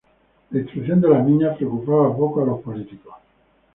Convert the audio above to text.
La instrucción de las niñas preocupaba poco a los políticos.